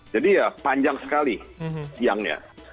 jadi ya panjang sekali siangnya